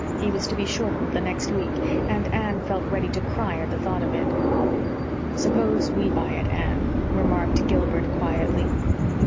He was to be shortened the next week, and Anne felt ready to cry at the thought of it. "Suppose we buy it, Anne?" remarked Gilbert quietly.